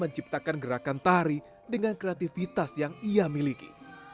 menciptakan gerakan tari dengan kreativitas yang ia miliki